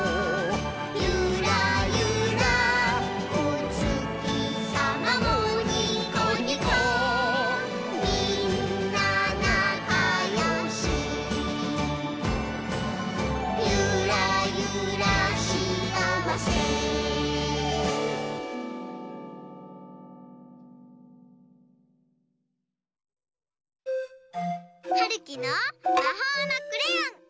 「ゆらゆらおつきさまもにこにこみんななかよし」「ゆらゆらしあわせ」はるきのまほうのクレヨン！